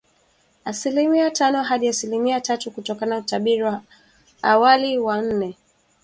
asilimia tano hadi asilimia tatu kutoka utabiri wa awali wa nne